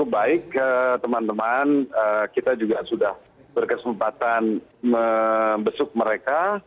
baik teman teman kita juga sudah berkesempatan membesuk mereka